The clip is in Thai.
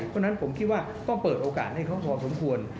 เพราะฉะนั้นผมคิดว่าก็เปิดโอกาสให้เขาพอสมควร